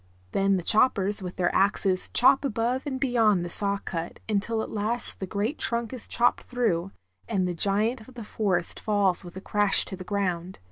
Then the choppers with their axes chop above and beyond the saw cut until at last the great trunk is chopped through, and the giant of the forest falls with a crash to the ground.